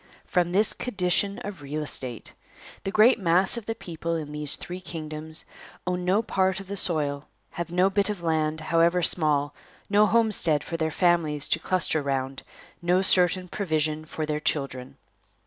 From this condition of real estate. The great mass of the people in these three kingdoms own no part of the soil, have no bit of land, however small, no homestead for their families to cluster round, no certain provision for their children.